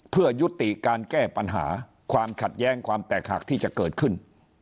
เพื่อยุติการแก้ปัญหาความขัดแย้งความแตกหักที่จะเกิดขึ้น